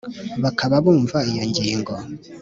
bakaba bumva iyo ngingo